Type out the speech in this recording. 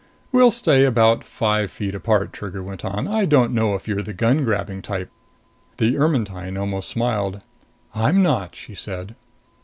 "We'll stay about five feet apart," Trigger went on. "I don't know if you're the gun grabbing type." The Ermetyne almost smiled. "I'm not!" she said.